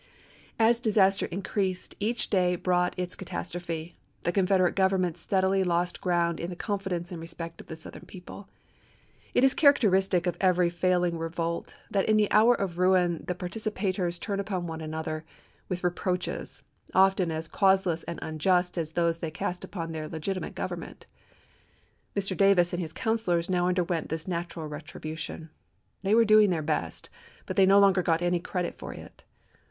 As disaster increased, as each day brought its catastrophe, the Confederate Government steadily lost ground in the confidence and respect of the Southern people. It is characteristic of every fail ing revolt that in the hour of ruin the participators turn upon one another with reproaches, often as causeless and unjust as those they cast upon their legitimate government. Mr. Davis and his coun cilors now underwent this natural retribution. They were doing their best, but they no longer got any credit for it.